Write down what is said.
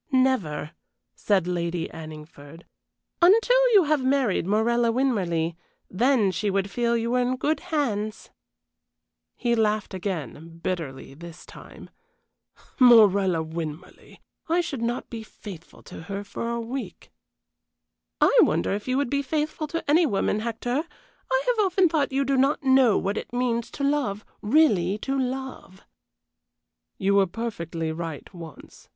"Never," said Lady Anningford, "until you have married Morella Winmarleigh; then she would feel you were in good hands." He laughed again bitterly this time. "Morella Winmarleigh! I would not be faithful to her for a week!" "I wonder if you would be faithful to any woman, Hector? I have often thought you do not know what it means to love really to love." "You were perfectly right once.